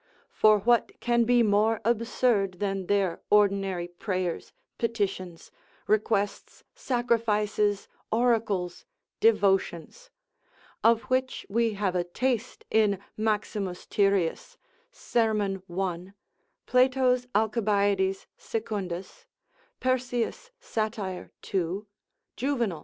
For what can be more absurd than their ordinary prayers, petitions, requests, sacrifices, oracles, devotions? of which we have a taste in Maximus Tyrius, serm. 1. Plato's Alcibiades Secundus, Persius Sat. 2. Juvenal.